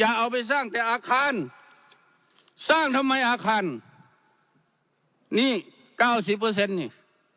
เอาไปสร้างแต่อาคารสร้างทำไมอาคารนี่เก้าสิบเปอร์เซ็นต์นี่